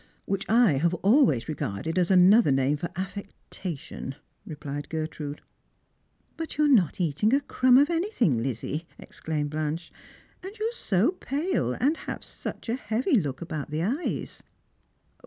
" Which I have always regarded as another name for affecta tion," replied Gertrude. " But you're not eating a crumb of anything, Lizzie," ex claimed Blanche ;" and you're so pale, and have such a heavy look about tlie e3'es."